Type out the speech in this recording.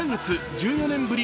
１４年ぶり